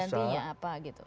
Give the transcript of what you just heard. penggantinya apa gitu